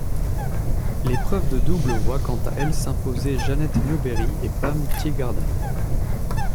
L'épreuve de double voit quant à elle s'imposer Janet Newberry et Pam Teeguarden.